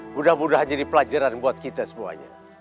mudah mudahan jadi pelajaran buat kita semuanya